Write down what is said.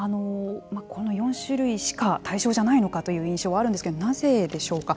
この４種類しか対象じゃないのかという印象はあるんですけれどもなぜでしょうか。